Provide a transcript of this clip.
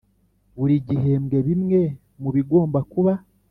buri gihembwe bimwe mu bigomba kuba